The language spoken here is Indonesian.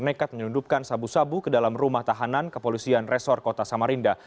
nekat menyelundupkan sabu sabu ke dalam rumah tahanan kepolisian resor kota samarinda